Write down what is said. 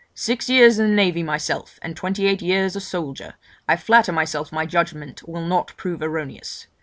Six years in the navy myself, and twenty eight years a soldier, I flatter myself my judgement will not prove erroneous.